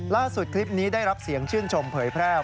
คลิปนี้ได้รับเสียงชื่นชมเผยแพร่